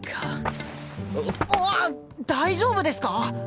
大丈夫ですか？